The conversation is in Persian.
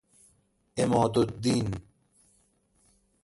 عماد الدین